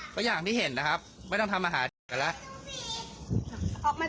ก็อย่างที่เห็นนะครับไม่ต้องทำอาหารแจกกันแล้ว